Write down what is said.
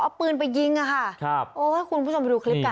เอาปืนไปยิงอ่ะค่ะครับโอ้ให้คุณผู้ชมไปดูคลิปกัน